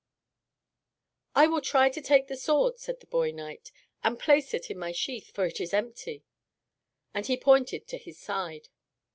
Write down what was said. "I will try to take the sword," said the boy knight, "and place it in my sheath, for it is empty," and he pointed to his side.